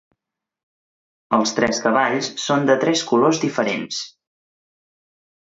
Els tres cavalls són de tres colors diferents.